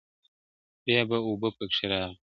• بیا به اوبه وي پکښي راغلي -